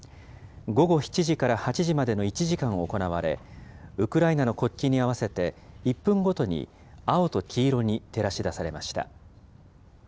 午後７時から８時までの１時間行われ、ウクライナの国旗に合わせて、１分ごとに青と黄色に照らし出されました。